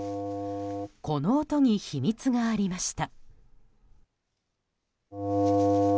この音に秘密がありました。